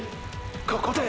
ここで！！